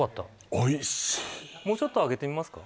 おいしいもうちょっと上げてみますか？